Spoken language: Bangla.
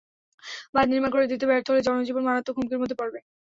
বাঁধ নির্মাণ করে দিতে ব্যর্থ হলে জনজীবন মারাত্মক হুমকির মধ্যে পড়বে।